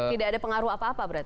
tidak ada pengaruh apa apa berarti